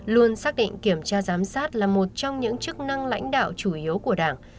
luôn xác định kiểm tra giám sát là một trong những chức năng lãnh đạo chủ yếu của đảng